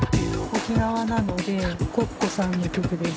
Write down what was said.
沖縄なのでＣｏｃｃｏさんの曲です。